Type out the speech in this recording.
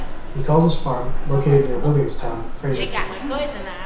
He called his farm, located near Williamstown, Fraserfield.